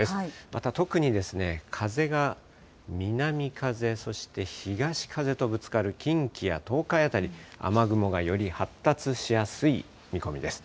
また特に、風が南風、そして東風とぶつかる近畿や東海辺り、雨雲がより発達しやすい見込みです。